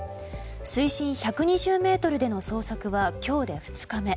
水深１２０ｍでの捜索は今日で２日目。